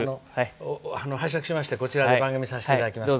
拝借しましてこちらで番組させていただきます。